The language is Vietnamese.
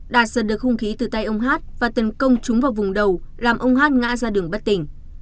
đạt giật được hung khí từ tay ông hát và tấn công chúng vào vùng đầu làm ông hát ngã ra đường bất tỉnh